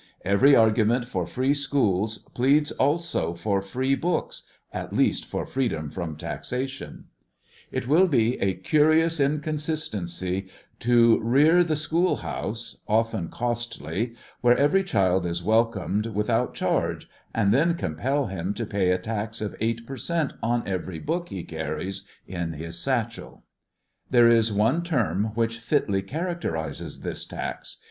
Every argument for free schools pleads also for free books, ŌĆö at least for freedom from taxation. It wiU be a curious inconsistency to rear the school house, often costly, where every child is wel comed without charge, and then compel him to pay a tax of eight per cent on every book he carries in his satchel There is one term which fitly characterizes thi^ tax.